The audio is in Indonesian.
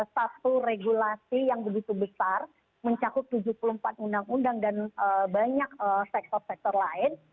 satu regulasi yang begitu besar mencakup tujuh puluh empat undang undang dan banyak sektor sektor lain